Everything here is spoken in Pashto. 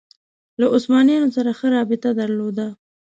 له عثمانیانو سره ښه رابطه درلوده